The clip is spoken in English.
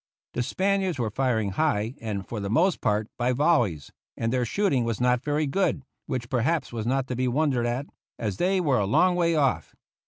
The Spaniards were firing high and for the most part by volleys, and their shooting was not very good, which perhaps was not to be wondered at, as they were a long way off.